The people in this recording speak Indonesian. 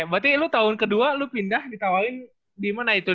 berarti lu tahun kedua lu pindah di tawalin di mana itu